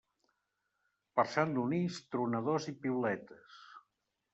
Per Sant Donís, tronadors i piuletes.